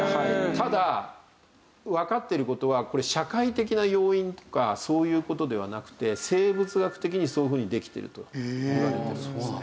ただわかってる事はこれ社会的な要因とかそういう事ではなくて生物学的にそういうふうにできてるといわれてるんですね。